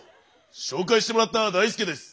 紹介してもらっただいすけです。